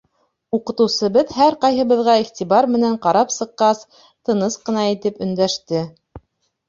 Уҡытыусыбыҙ һәр ҡайһыбыҙға иғтибар менән ҡарап сыҡҡас, тыныс ҡына итеп өндәште: